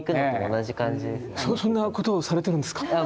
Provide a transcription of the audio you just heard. そんなことをされてるんですか？